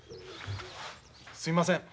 すいません。